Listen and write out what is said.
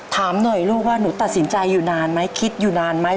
ถามหน่อยลูกว่าหนูตัดสินใจอยู่นานไหมคิดอยู่นานไหม